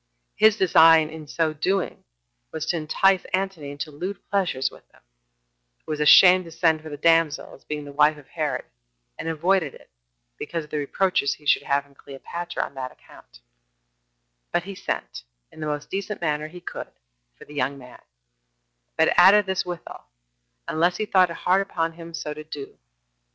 His design in doing so was to entice Antony into lewd pleasures with them, who was ashamed to send for the damsel, as being the wife of Herod, and avoided it, because of the reproaches he should have from Cleopatra on that account; but he sent, in the most decent manner he could, for the young man; but added this withal, unless he thought it hard upon him so to do.